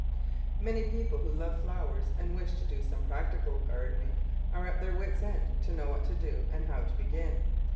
Many people who love flowers and wish to do some practical gardening are at their wit's end to know what to do and how to begin.